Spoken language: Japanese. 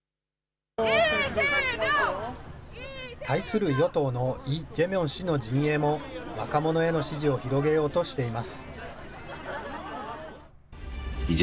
対する与党のイ・ジェミョン氏の陣営も、若者への支持を広げようとしています。